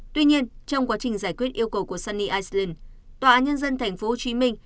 tuy nhiên trong quá trình giải quyết yêu cầu của sunny iceland tòa nhân dân thành phố hồ chí minh